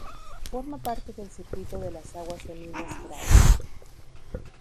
Forma parte del Circuito de las Aguas de Minas Gerais.